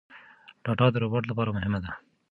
ډاټا د روباټ لپاره مهمه ده.